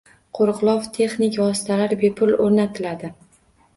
Qoʻriqlov texnik vositalari bepul oʻrnatiladi